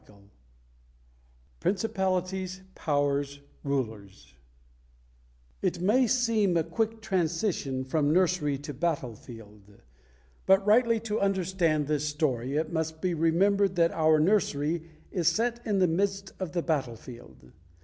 CHAPTER VI Principalities, Powers, Rulers IT may seem a quick transition from nursery to battle field; but rightly to understand this story, it must be remembered that our nursery is set in the midst of the battle field.